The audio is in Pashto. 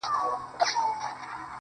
ستا څخه چي ياره روانـــــــــــېــږمه,